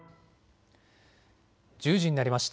１０時になりました。